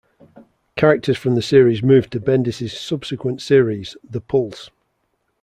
Characters from the series moved to Bendis' subsequent series "The Pulse".